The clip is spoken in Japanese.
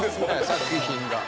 作品が。